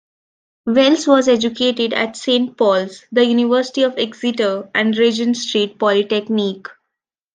Wells was educated at Saint Paul's, the University of Exeter, and Regent Street Polytechnic.